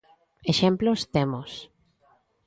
Exemplos temos.